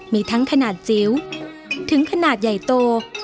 มีทั้งขนาดจิ๋วถึงขนาดใหญ่โต